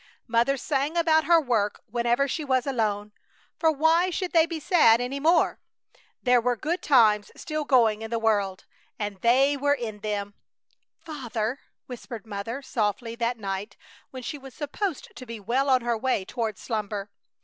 Mother sang about her work whenever she was alone. For why should they be sad any more? There were good times still going in the world, and they were in them! "Father!" whispered Mother, softly, that night, when she was supposed to be well on her way toward slumber.